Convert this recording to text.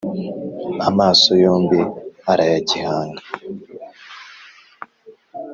amaso yombi arayagihanga,